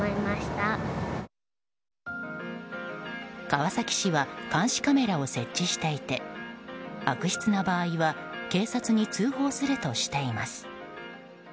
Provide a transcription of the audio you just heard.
川崎市は監視カメラを設置していて悪質な場合は警察に通報するとしています。